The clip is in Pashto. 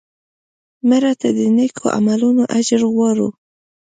مړه ته د نیکو عملونو اجر غواړو